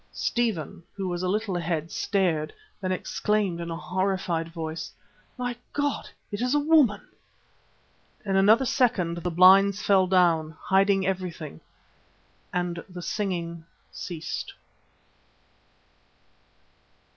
Stephen, who was a little ahead, stared, then exclaimed in a horrified voice: "My God! it is a woman!" In another second the blinds fell down, hiding everything, and the singing ceased.